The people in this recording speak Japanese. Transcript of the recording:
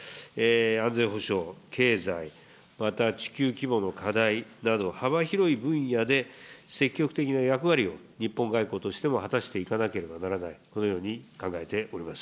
安全保障、経済、また地球規模の課題など幅広い分野で、積極的な役割を日本外交としても果たしていかなければならないこ